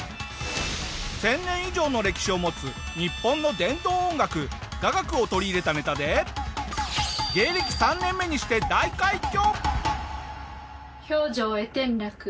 １０００年以上の歴史を持つ日本の伝統音楽雅楽を取り入れたネタで芸歴３年目にして大快挙！